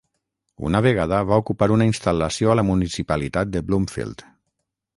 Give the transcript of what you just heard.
Una vegada va ocupar una instal·lació a la municipalitat de Bloomfield.